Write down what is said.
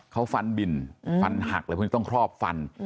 เขาฟันบินฟันหักต้องครอบฟัน